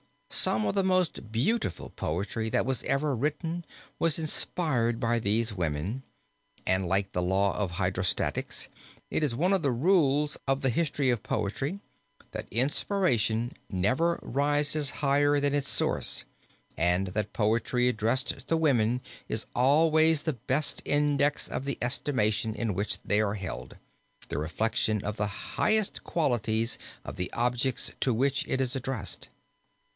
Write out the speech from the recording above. Some of the most beautiful poetry that was ever written was inspired by these women and like the law of hydrostatics, it is one of the rules of the history of poetry, that inspiration never rises higher than its source and that poetry addressed to women is always the best index of the estimation in which they are held, the reflection of the highest qualities of the objects to which it is addressed.